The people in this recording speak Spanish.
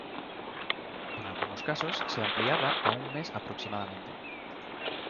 En algunos casos, se ampliaba a un mes aproximadamente.